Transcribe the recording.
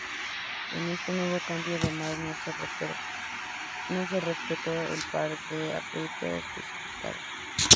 En este nuevo cambio, además, no se respetó el par de apriete especificado.